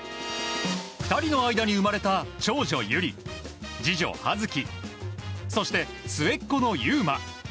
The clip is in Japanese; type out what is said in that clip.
２人の間に生まれた長女・友理次女・葉月そして末っ子の祐真。